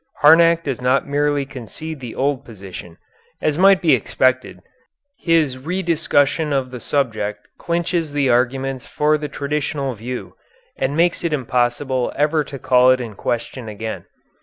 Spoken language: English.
Harnack does not merely concede the old position. As might be expected, his rediscussion of the subject clinches the arguments for the traditional view, and makes it impossible ever to call it in question again.